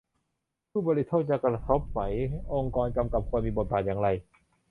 ผู้บริโภคจะกระทบไหม องค์กรกำกับควรมีบทบาทยังไง